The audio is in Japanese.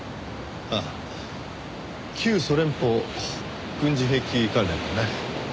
ああ旧ソ連邦軍事兵器関連のね。